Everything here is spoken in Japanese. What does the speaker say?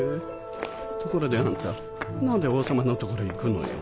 ところであんた何で王様の所へ行くのよ？